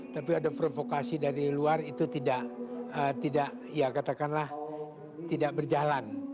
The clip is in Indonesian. tapi ada provokasi dari luar itu tidak ya katakanlah tidak berjalan